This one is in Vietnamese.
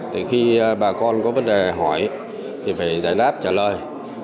thì khi bà con có vấn đề hỏi thì phải giải đáp trả lời